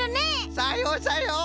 さようさよう。